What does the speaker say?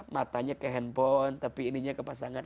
matanya ke handphone tapi ininya ke pasangan